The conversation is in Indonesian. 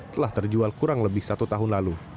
telah terjual kurang lebih satu tahun lalu